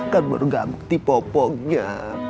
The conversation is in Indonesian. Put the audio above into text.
kan baru ganti popoknya